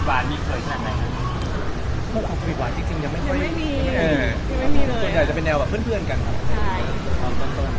ความสุขเข้าใจจะเป็นแนวผมเภ้นกันครับ